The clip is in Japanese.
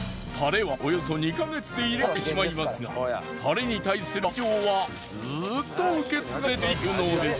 タレはおよそ２ヵ月で入れ替わってしまいますがタレに対する愛情はずっと受け継がれていくのです。